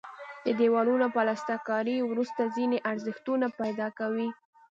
د دیوالونو پلستر کاري وروسته ځینې ارزښتونه پیدا کوي.